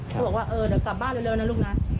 เขาบอกว่าเออเดี๋ยวกลับบ้านเร็วนะลูกนะ